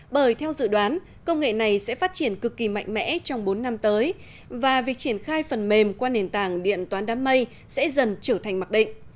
bởi theo dự đoán công nghệ này sẽ phát triển cực kỳ mạnh mẽ trong bốn năm tới và việc triển khai phần mềm qua nền tảng điện toán đám mây sẽ dần trở thành mặc định